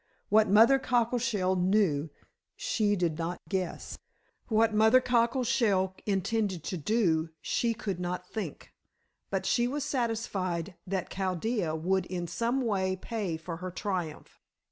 What Mother Cockleshell knew, she did not guess; what Mother Cockleshell intended to do, she could not think; but she was satisfied that Chaldea would in some way pay for her triumph.